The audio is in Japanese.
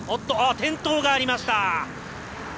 転倒がありました。